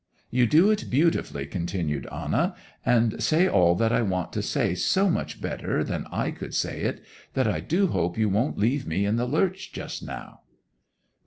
'You do it so beautifully,' continued Anna, 'and say all that I want to say so much better than I could say it, that I do hope you won't leave me in the lurch just now!